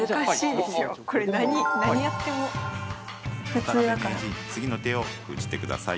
渡辺名人次の手を封じてください。